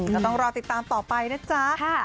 ก็ต้องรอติดตามต่อไปนะจ๊ะ